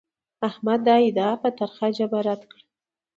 احمد دا ادعا په ترخه ژبه رد کړه.